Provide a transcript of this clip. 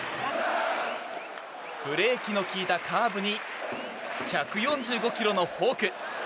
ブレーキの利いたカーブに１４５キロのフォーク。